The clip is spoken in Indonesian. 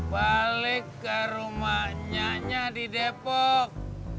balik ke rumah nyanya di depok